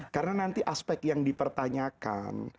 karena nanti aspek yang dipertanyakan